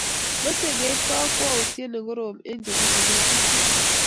Mochei keib kakwautiet ne korom eng chebutei ngatutik